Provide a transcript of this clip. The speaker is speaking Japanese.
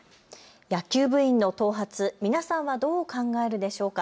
野球部員の頭髪、皆さんはどう考えるでしょうか。